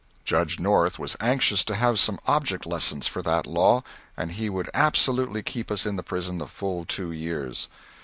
Judge North was anxious to have some object lessons for that law, and he would absolutely keep us in the prison the full two years.